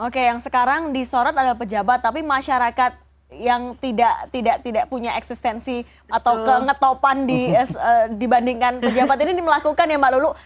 oke yang sekarang disorot adalah pejabat tapi masyarakat yang tidak punya eksistensi atau ketopan dibandingkan pejabat ini melakukan ya mbak lulu